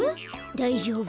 だいじょうぶ。